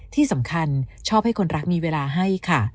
ที่สำคัญชอบให้คนรักมีเวลาให้ค่ะ